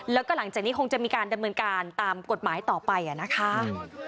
แล้วก็หลังจากนี้คงจะมีการดำเนินการตามกฎหมายต่อไปนะคะ